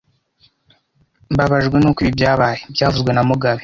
Mbabajwe nuko ibi byabaye byavuzwe na mugabe